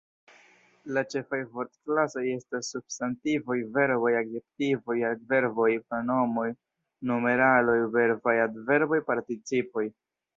La ĉefaj vortklasoj estas: substantivoj, verboj, adjektivoj, adverboj, pronomoj, numeraloj, verbaj adverboj, participoj.